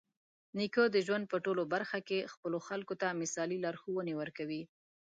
نیکه د ژوند په ټولو برخه کې خپلو خلکو ته مثالي لارښوونې ورکوي.